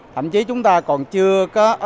thậm chí chúng ta còn chưa có